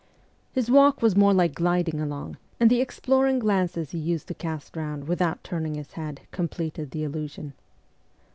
His walk was more like gliding along, and the explor ing glances he used to cast round without turning his head completed the illusion.